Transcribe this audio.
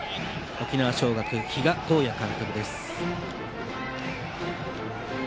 沖縄尚学、比嘉公也監督です。